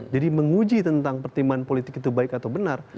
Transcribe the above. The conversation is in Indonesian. jadi menguji tentang pertimbangan politik itu baik atau benar